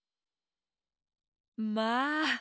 まあ！